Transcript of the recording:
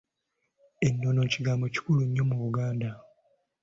Ennono kigambo kikulu nnyo mu Buganda.